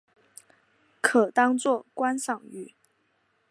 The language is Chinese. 可当作观赏鱼。